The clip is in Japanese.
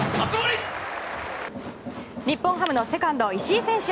日本ハムのセカンド、石井選手。